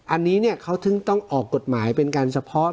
อันนี้เขาถึงต้องออกกฎหมายเป็นการเฉพาะ